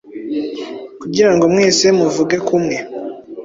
kugira ngo mwese muvuge kumwe,